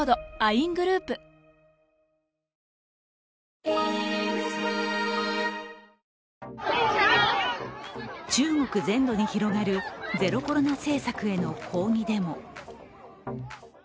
しかし、昨日は中国全土に広がるゼロコロナ政策への抗議デモ。